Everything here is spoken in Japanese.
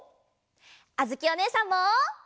あづきおねえさんも。